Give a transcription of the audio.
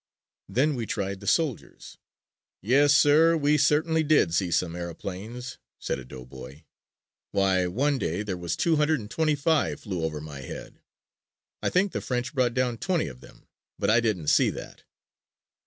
Then we tried the soldiers. "Yes, sir, we certainly did see some aeroplanes," said a doughboy. "Why, one day there was two hundred and twenty five flew over my head. I think the French brought down twenty of them, but I didn't see that."